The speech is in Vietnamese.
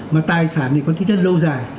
mà tài sản thì có thí chất lâu dài